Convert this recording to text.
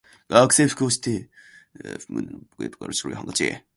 学生服を着て、胸のポケットから白いハンケチを覗かせ、